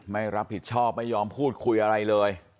ไม่รับผิดชอบไม่ยอมพูดคุยอะไรเลย